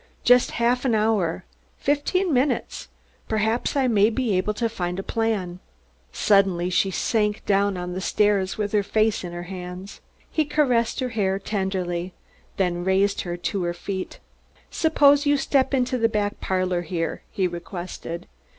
Just half an hour fifteen minutes! Perhaps I may be able to find a plan." Suddenly she sank down on the stairs, with her face in her hands. He caressed her hair tenderly, then raised her to her feet. "Suppose you step into the back parlor here," he requested.